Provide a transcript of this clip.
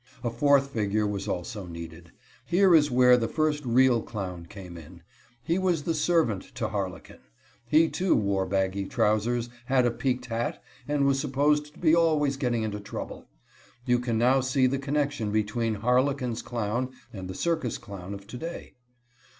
A fourth figure was also needed. Here is where the first real clown came in. He was the servant to Harlequin. He, too, wore baggy trousers, had a peaked hat, and was supposed to be always getting into trouble. You can now see the connection between Harlequin's clown and the circus clown of to day.